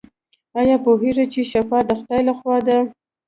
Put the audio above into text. ایا پوهیږئ چې شفا د خدای لخوا ده؟